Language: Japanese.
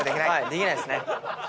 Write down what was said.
できないですね。